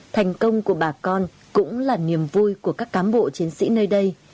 thành công của bà con cũng là niềm vui của các cám bộ chiến sĩ nơi đây